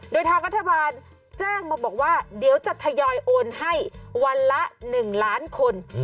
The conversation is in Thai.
โดยทางรัฐบาลแจ้งมาบอกว่าเดี๋ยวจะทยอยโอนให้วันละ๑ล้านคน